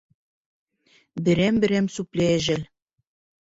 Берәм-берәм сүпләй әжәл.